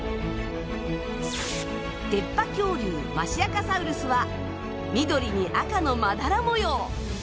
出っ歯恐竜マシアカサウルスは緑に赤のまだら模様。